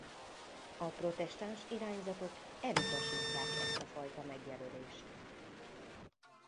A protestáns irányzatok elutasítják ezt a fajta megjelölést.